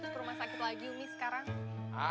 perumah sakit lagi umi sekarang